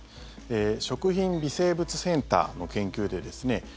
食品微生物センターの研究でですね